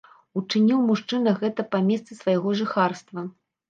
Учыніў мужчына гэта па месцы свайго жыхарства.